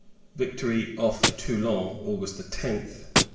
Victory, off Toulon, August 10th, 1803.